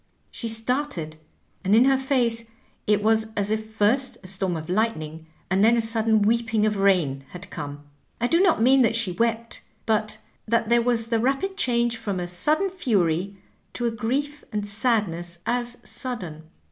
She started, and in her face it was as if first a storm of lightning and then a sudden weeping of rain had come. I do not mean that she wept, but that there was the rapid change from a sudden fury to a grief and sadness as sudden.